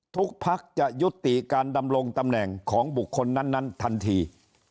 ภักดิ์จะยุติการดำรงตำแหน่งของบุคคลนั้นทันที